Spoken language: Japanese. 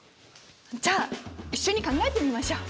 じゃあ一緒に考えてみましょう！